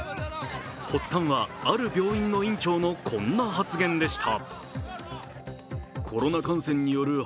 発端は、ある病院の院長のこんな発言でした。